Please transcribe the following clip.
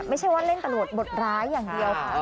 ไม่ใช่ว่าเล่นตลวดบทร้ายอย่างเดียวค่ะ